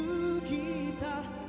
bila buka kehendaknya